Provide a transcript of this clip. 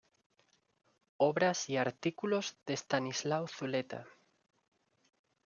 Obras y artículos de Estanislao Zuleta.